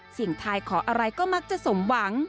ทายขออะไรก็มักจะสมหวัง